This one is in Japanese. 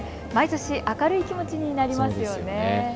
毎年、明るい気持ちになりますよね。